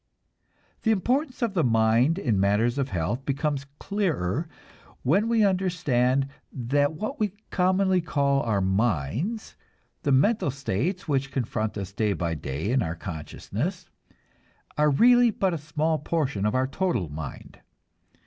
The importance of the mind in matters of health becomes clearer when we understand that what we commonly call our minds the mental states which confront us day by day in our consciousness are really but a small portion of our total mind.